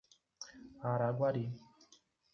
Araguari